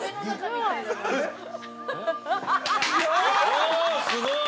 ◆おすごい。